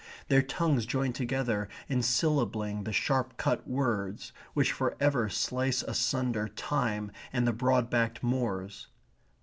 Their tongues join together in syllabling the sharp cut words, which for ever slice asunder time and the broad backed moors.